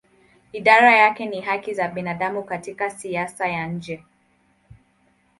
Idara yake ni haki za binadamu katika siasa ya nje.